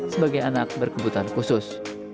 sebagai anak berkebutuhan khusus